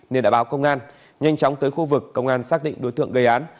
nên đã báo công an nhanh chóng tới khu vực công an xác định đối tượng gây án